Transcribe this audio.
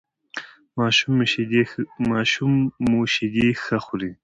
ماشوم مو شیدې ښه خوري؟